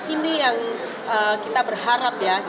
ini yang kita berharap ya